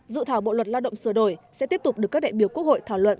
dự thảo bộ luật lao động sửa đổi sẽ tiếp tục được các đại biểu quốc hội thảo luận